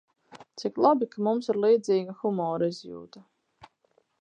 Cik labi, ka mums ir līdzīga humora izjūta.